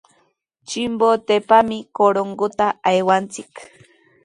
Chimbotepami Corongota aywanchik.